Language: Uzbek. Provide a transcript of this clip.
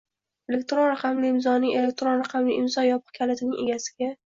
— elektron raqamli imzoning elektron raqamli imzo yopiq kalitining egasiga